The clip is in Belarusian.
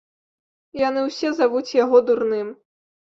Яны ўсе завуць яго дурным.